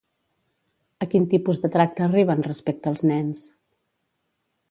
A quin tipus de tracte arriben respecte als nens?